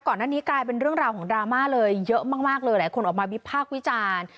ก่อนนั้นเป็นเรื่องราวของดราม่าเลยเยอะมากทุกคนออกมาวิพากษ์วิจารณ์